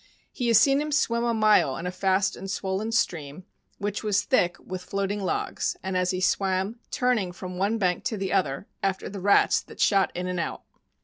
He has seen him swim a mile in a fast and swollen stream which was thick with floating logs, and as he swam, turning from one bank to the other after the rats that shot in and out.